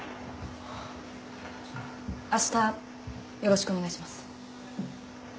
あしたよろしくお願いします。